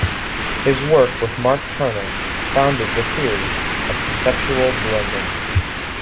His work with Mark Turner founded the theory of conceptual blending.